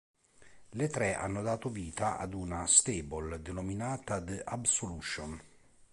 Le tre hanno dato vita ad una "stable" denominata The Absolution.